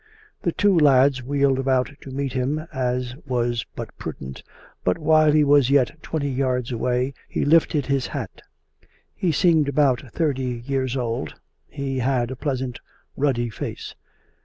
The two lads wheeled about to meet him, as was but prudent; but while he was yet twenty yards away he lifted his hat. He seemed about thirty years old; he had a pleasant, ruddy face.